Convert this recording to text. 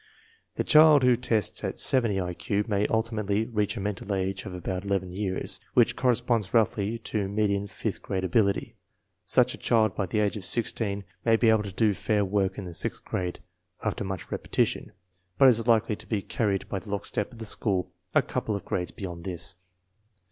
The child who tests at 70 1 Q may ultimately reach a mental age of about eleven years, which corresponds roughly to median fifth grade ability. Such a child by the age of sixteen may be able to do fair work in the sixth grade, after much repetition, but is likely to be carried by the lockstep of the school a couple of grades beyond this.